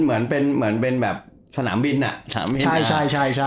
เหมือนเป็นเหมือนเป็นแบบสนามบินอ่ะสนามบินใช่ใช่ใช่